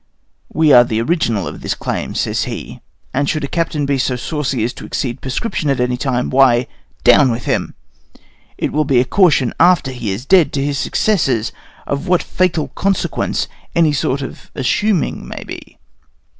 We are the original of this claim," says he, "and should a captain be so saucy as to exceed prescription at any time, why, down with him! It will be a caution after he is dead to his successors of what fatal consequence any sort of assuming may be.